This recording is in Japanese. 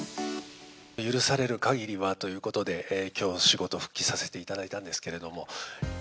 許されるかぎりはということで、きょう、仕事復帰させていただいたんですけれども。